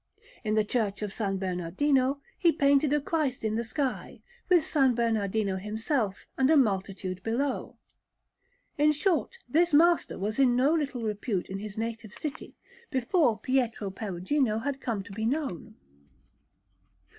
In the Church of S. Bernardino he painted a Christ in the sky, with S. Bernardino himself, and a multitude below. In short, this master was in no little repute in his native city before Pietro Perugino had come to be known.